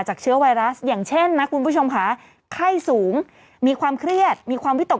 เชื้อไวรัสอย่างเช่นนะคุณผู้ชมค่ะไข้สูงมีความเครียดมีความวิตก